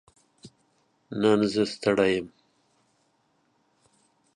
نن زه ستړې يم